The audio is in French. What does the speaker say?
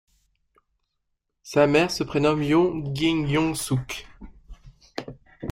Sa mère se prénomme Yoo Gyeong-sook.